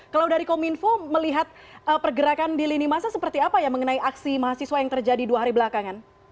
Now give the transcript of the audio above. kalau dari kominfo melihat pergerakan di lini masa seperti apa ya mengenai aksi mahasiswa yang terjadi dua hari belakangan